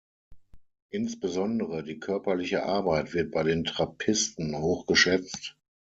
Insbesondere die körperliche Arbeit wird bei den Trappisten hoch geschätzt.